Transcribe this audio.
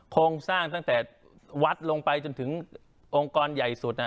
โครงสร้างตั้งแต่วัดลงไปจนถึงองค์กรใหญ่สุด